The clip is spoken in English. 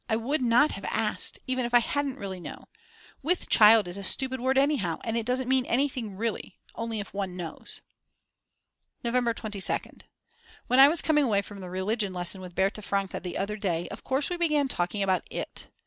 I would not have asked, even if I hadn't really known. With child is a stupid word anyhow, it doesn't mean anything really; only if one knows. November 22nd. When I was coming away from the religion lesson with Berta Franke the other day, of course we began talking about it.